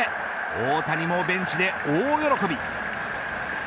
大谷もベンチで大喜び。